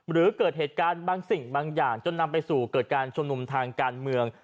หรือเกิดเหตุการณ์บางสิ่งบางอย่างจนนำไปสู่เกิดการชุมนุมทางการเมือง